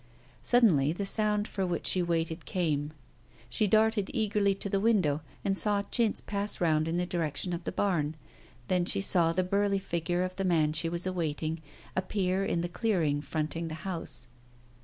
Suddenly the sound for which she waited came. She darted eagerly to the window and saw Chintz pass round in the direction of the barn. Then she saw the burly figure of the man she was awaiting appear in the clearing fronting the house.